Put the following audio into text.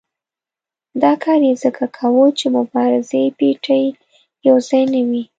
دا کار یې ځکه کاوه چې مبارزې پېټی یو ځای نه وي.